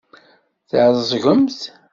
Tɛeẓgemt?